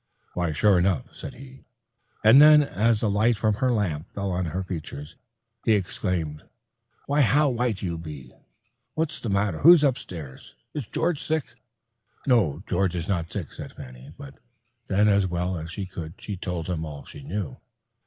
"Why, sure enough," said he, and then as the light from her lamp fell on her features, he exclaimed, "why, how white you be! What's the matter? Who's upstairs? Is George sick?" "No, George is not sick," said Fanny, "but—," and then as well as she could she told him all she knew.